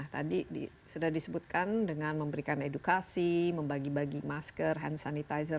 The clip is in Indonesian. tadi sudah disebutkan dengan memberikan edukasi membagi bagi masker hand sanitizer